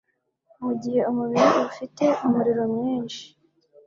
Mu gihe umubiri ufite umuriro mwinshi,